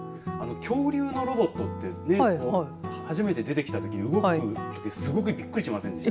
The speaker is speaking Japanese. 恐竜のロボットって初めて出てきたときに動くときにすごくびっくりしませんでした。